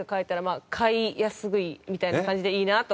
みたいな感じでいいなと。